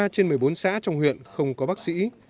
một mươi trên một mươi bốn xã trong huyện không có bác sĩ